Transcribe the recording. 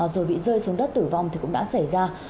rồi bị rơi xuống đất tử vong thì cũng đã xảy ra